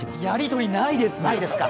やりとりないです！